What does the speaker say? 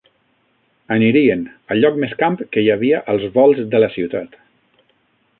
Anirien al lloc més camp que hi havia als volts de la ciutat